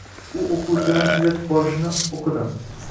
U oʻquvchilarni kuzatib borishini oʻqidim.